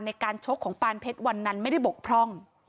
ชกของปานเพชรวันนั้นไม่ได้บกพร่อง